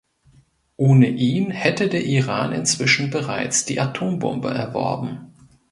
Ohne ihn hätte der Iran inzwischen bereits die Atombombe erworben.